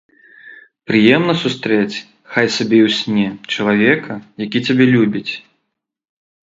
Прыемна сустрэць, хай сабе і ў сне, чалавека, які цябе любіць.